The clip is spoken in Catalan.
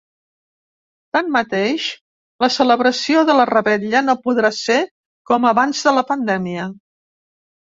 Tanmateix, la celebració de la revetlla no podrà ser com abans de la pandèmia.